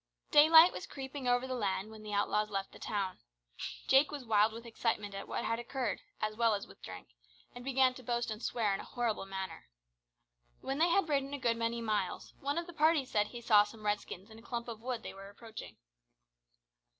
Daylight was creeping over the land when the outlaws left the town. Jake was wild with excitement at what had occurred, as well as with drink, and began to boast and swear in a horrible manner. When they had ridden a good many miles, one of the party said he saw some Redskins in a clump of wood they were approaching.